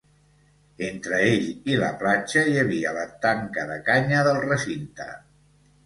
Entre ell i la platja hi havia la tanca de canya del recinte.